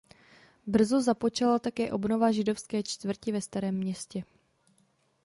Brzy započala také obnova židovské čtvrti ve Starém Městě.